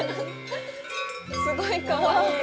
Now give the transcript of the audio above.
すごいかわいい。